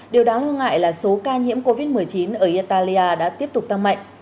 điều đáng lo ngại là số ca nhiễm covid một mươi chín ở italia đã tiếp tục tăng mạnh